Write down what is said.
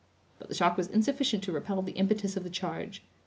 But the shock was insufficient to repel the impetus of the charge.